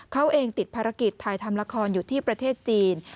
เขาเองติดภารกิจถ่ายทำละครอยู่ที่ประเทศจีน